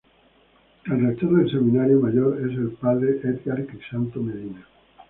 El Rector del Seminario Mayor es el Padre Edgar Crisanto Medina.